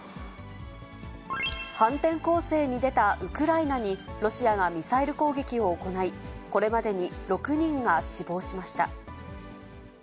反転攻勢に出たウクライナに、ロシアがミサイル攻撃を行い、これまでに６人が死亡しました。